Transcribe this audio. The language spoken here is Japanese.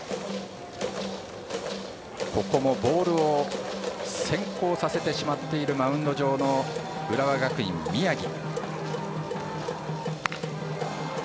ボールを先行させてしまっているマウンド上の浦和学院、宮城。